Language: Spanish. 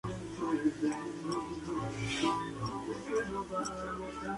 Es un relato de la transformación espiritual en el sendero sufí.